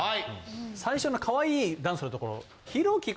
最初のかわいいダンスのところ。